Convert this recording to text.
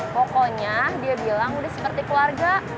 pokoknya dia bilang udah seperti keluarga